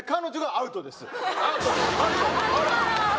アウト。